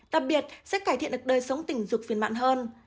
đặc biệt sẽ cải thiện được đời sống tình dục phiền mặn hơn